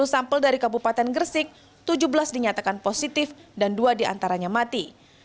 dua puluh sampel dari kabupaten gresik tujuh belas dinyatakan positif dan dua diantaranya mati